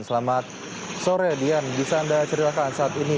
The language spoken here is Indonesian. selamat sore dian bisa anda ceritakan saat ini